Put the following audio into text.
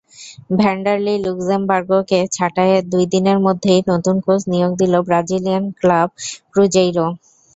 Vanderlei লুক্সেমবার্গোকে ছাঁটাইয়ের দুই দিনের মধ্যেই নতুন কোচ নিয়োগ দিল ব্রাজিলিয়ান ক্লাব ক্রুজেইরো।